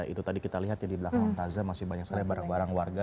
itu tadi kita lihat di belakang bumtaza masih banyak barang barang warga